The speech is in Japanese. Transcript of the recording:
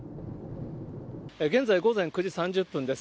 現在午前９時３０分です。